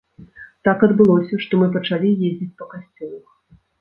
Так адбылося, што мы пачалі ездзіць па касцёлах.